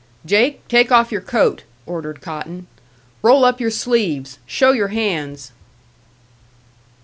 "Jake, take off your coat," ordered Cotton. "Roll up your sleeves. Show your hands."